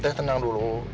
teh tenang dulu